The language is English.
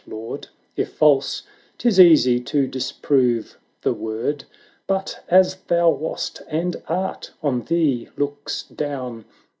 Lord, If false, 'tis easy to disprove the word — But as thou wast and art, on thee looks down.